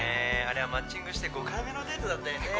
あれはマッチングして５回目のデートだったよね